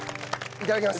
いただきます。